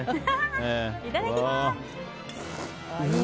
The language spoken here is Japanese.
いただきます！